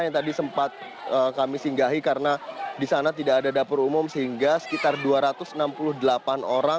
yang tadi sempat kami singgahi karena di sana tidak ada dapur umum sehingga sekitar dua ratus enam puluh delapan orang